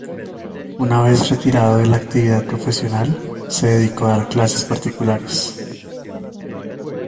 Una vez retirado de la actividad profesional, se dedicó a dar clases particulares.